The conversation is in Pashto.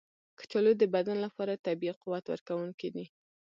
کچالو د بدن لپاره طبیعي قوت ورکونکی دی.